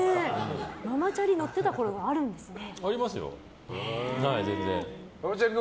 ママチャリ乗ってたころもあるんですね。